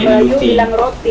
kalau melayu bilang roti